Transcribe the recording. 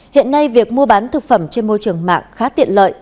hiện nay việc mua bán thực phẩm trên môi trường mạng khá tiện lợi